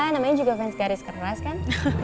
namanya juga fans garis keras kan